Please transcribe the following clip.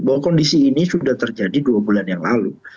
bahwa kondisi ini sudah terjadi dua bulan yang lalu